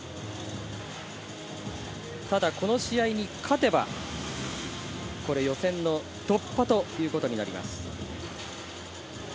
ただこの試合に勝てば、ここで予選の突破ということになります。